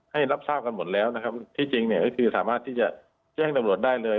ให้รับทราบกันหมดแล้วนะครับที่จริงเนี่ยก็คือสามารถที่จะแจ้งตำรวจได้เลย